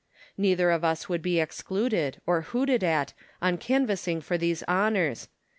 Neither of us would be excluded, or hooted at, on canvassing for these honours.